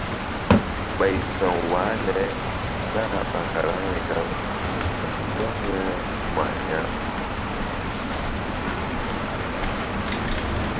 Ɓay sa̧w wah le nah ɓa karaŋri gaŋ mú huh mah ya̧.